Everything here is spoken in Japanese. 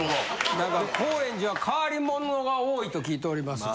何か高円寺は変わり者が多いと聞いておりますが。